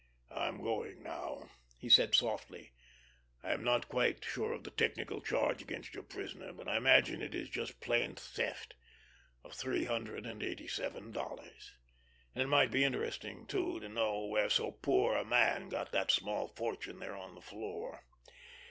"I'm going now," he said softly. "I am not quite sure of the technical charge against your prisoner, but I imagine it is just plain theft—of three hundred and eighty seven dollars. And it might be interesting, too, to know where so poor a man got that small fortune there on the floor!